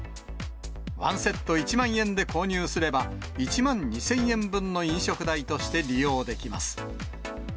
１セット１万円で購入すれば、１万２０００円分の飲食代として利用できます。